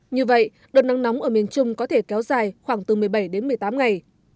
như vậy đợt nắng nóng ở miền trung có thể kéo dài khoảng từ một mươi bảy đến một mươi tám ngày